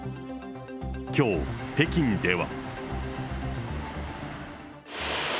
きょう、北京では。